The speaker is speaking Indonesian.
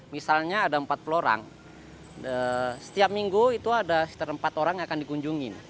misalnya ada empat puluh orang setiap minggu itu ada sekitar empat orang yang akan dikunjungi